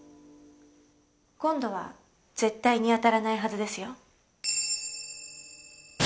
今度は絶対に当たらないはずですよ。